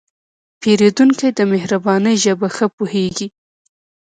پیرودونکی د مهربانۍ ژبه ښه پوهېږي.